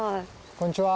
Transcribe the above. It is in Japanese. こんにちは。